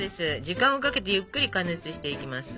時間をかけてゆっくり加熱していきます。